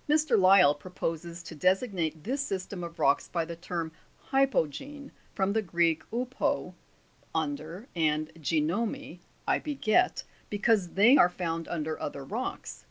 * Mr. Lyell proposes to designate this system of rocks by the term Hypo'gene (from the Greek, vpo, under, and geinomai, I beget), because they are found under other rocks.